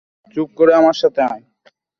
চুপ করে আমার সাথে আয়।